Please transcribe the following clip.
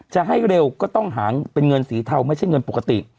จะให้เร็วก็ต้องหางเป็นเงินสีเทาไม่ใช่เงินปกติ